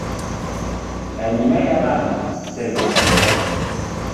Ә нимә яҙаһың, сер булмаһа?